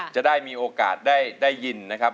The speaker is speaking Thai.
จะได้มีโอกาสได้ยินนะครับ